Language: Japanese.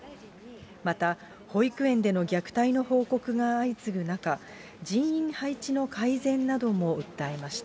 また、保育園での虐待の報告が相次ぐ中、人員配置の改善なども訴えました。